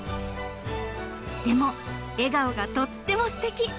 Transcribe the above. でも笑顔がとってもステキ！